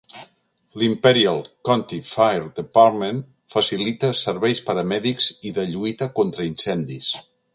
L'Imperial County Fire Department facilita serveis paramèdics i de lluita contra incendis.